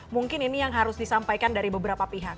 mungkin ini yang harus disampaikan dari beberapa pihak